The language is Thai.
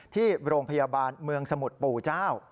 ที่โรงพยาบาลเมืองสมุทรปู่เจ้า